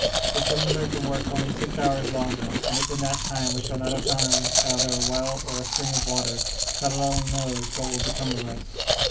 "The cylinder can work only six hours longer; and, if in that time we shall not have found either a well or a spring of water, God alone knows what will become of us!"